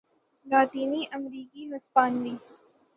لاطینی امریکی ہسپانوی